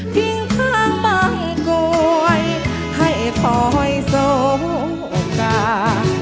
ทิ้งข้างบางกล้วยให้ถอยโสกา